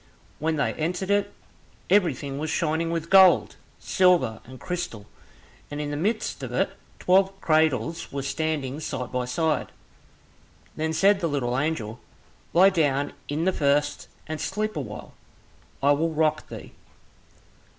When they entered it, everything was shining with gold, silver, and crystal, and in the midst of it twelve cradles were standing side by side. Then said the little angel, "Lie down in the first, and sleep a while, I will rock thee."